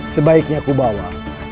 sebaiknya aku bawa